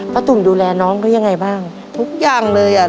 ตุ่มดูแลน้องเขายังไงบ้างทุกอย่างเลยอ่ะ